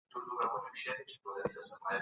جملې متناسب او روانې جوړې کړئ.